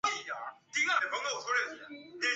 但俄军始终未能知道日军的准确登陆地点。